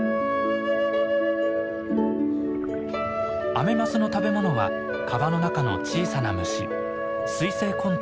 アメマスの食べ物は川の中の小さな虫水生昆虫です。